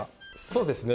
そうですね。